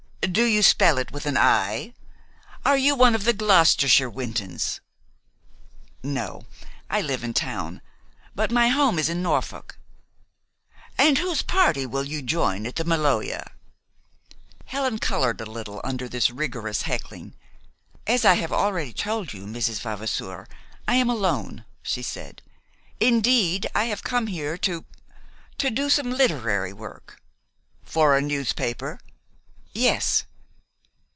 "Do you spell it with an I? Are you one of the Gloucestershire Wintons?" "No. I live in town; but my home is in Norfolk." "And whose party will you join at the Maloja?" Helen colored a little under this rigorous heckling. "As I have already told you, Mrs. Vavasour, I am alone," she said. "Indeed, I have come here to to do some literary work." "For a newspaper?" "Yes."